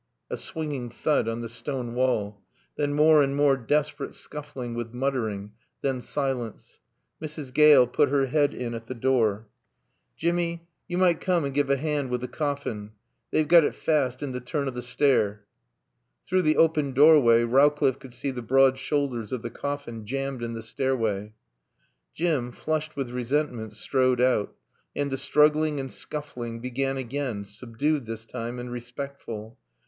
A swinging thud on the stone wall. Then more and more desperate scuffling with muttering. Then silence. Mrs. Gale put her head in at the door. "Jimmy, yo mun coom and gie a haand wi' t' coffin. They've got un faasst in t' turn o' t' stair." Through the open doorway Rowcliffe could see the broad shoulders of the coffin jammed in the stairway. Jim, flushed with resentment, strode out; and the struggling and scuffling began again, subdued, this time, and respectful.